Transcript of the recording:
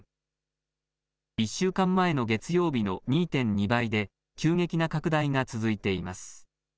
１週間前の月曜日の２．２倍で、急激な拡大が続いています。